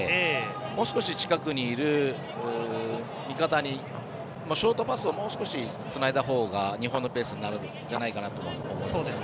もう少し、近くにいる味方にショートパスをもう少しつないだほうが日本のペースになるんじゃと思います。